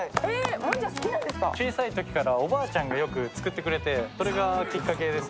小さいときかはおばあちゃんがよく作ってくれて、それがきっかけです。